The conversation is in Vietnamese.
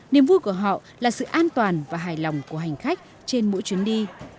niềm vui của họ là sự an toàn và hài lòng của hành khách trên mỗi chuyến đi